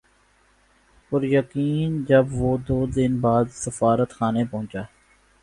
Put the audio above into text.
پُریقین جب وہ دو دن بعد سفارتخانے پہنچا